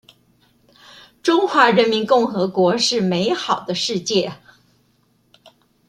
中華人民共和國是美好的世界